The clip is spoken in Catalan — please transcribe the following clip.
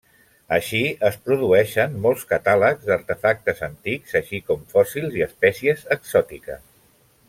Així, es produeixen molts catàlegs d'artefactes antics, així com fòssils i espècies exòtiques.